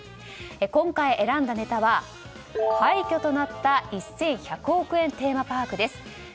今回選んだネタは、廃虚となった１１００億円テーマパークです。